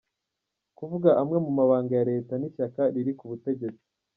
Kuvuga amwe mu mabanga ya Leta n’ishyaka riri ku butegetsi.